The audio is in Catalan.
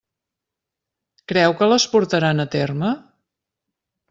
Creu que les portaran a terme?